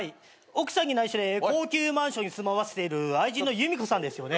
奥さんに内緒で高級マンションに住まわせている愛人のユミコさんですよね。